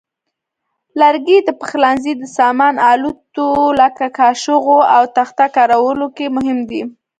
لرګي د پخلنځي د سامان آلاتو لکه کاشوغو او تخته کارولو کې مهم دي.